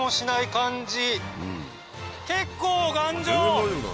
結構頑丈！